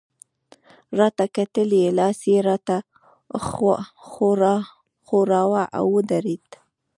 راته کتل يې، لاس يې راته ښوراوه، او ودرېد.